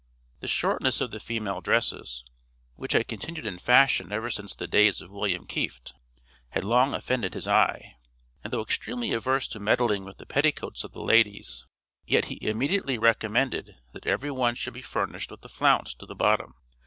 The shortness of the female dresses, which had continued in fashion ever since the days of William Kieft, had long offended his eye; and though extremely averse to meddling with the petticoats of the ladies, yet he immediately recommended that every one should be furnished with a flounce to the bottom.